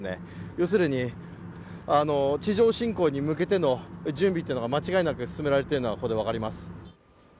要するに地上侵攻に向けての準備というのが間違いなく進められているのがここで分かります。